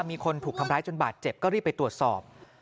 มีคนถูกทำร้ายจนบาดเจ็บก็รีบไปตรวจสอบ